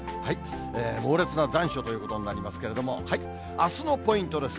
猛烈な残暑ということになりますけれども、あすのポイントです。